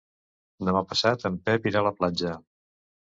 Demà passat en Pep irà a la platja.